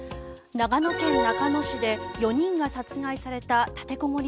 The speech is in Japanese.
長野県中野市で４人が殺害された立てこもり